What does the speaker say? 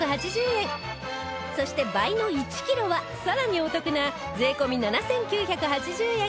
そして倍の１キロはさらにお得な税込７９８０円